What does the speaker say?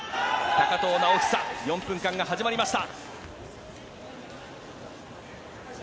高藤直寿４分間が始まりました。